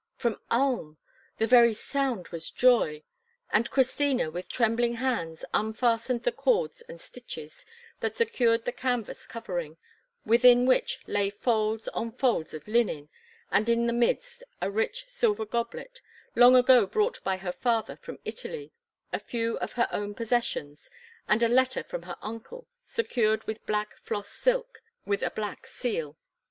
From Ulm! The very sound was joy; and Christina with trembling hands unfastened the cords and stitches that secured the canvas covering, within which lay folds on folds of linen, and in the midst a rich silver goblet, long ago brought by her father from Italy, a few of her own possessions, and a letter from her uncle secured with black floss silk, with a black seal.